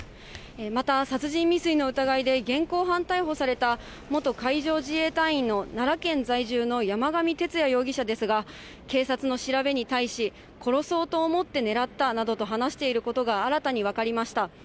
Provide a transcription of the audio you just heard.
また、殺人未遂の疑いで現行犯逮捕された元海上自衛隊員の奈良県在住の山上徹也容疑者ですが、警察の調べに対し、殺そうと思って狙ったなどと話していることが新たに分かりました。